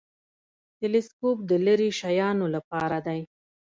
تلسکوپ د لیرې شیانو لپاره دی